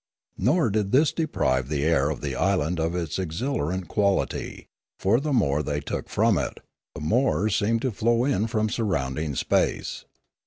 Nor did this deprive the air of the island of its exhilarant quality; for the more they took from it, the more seemed to flow in from surrounding space.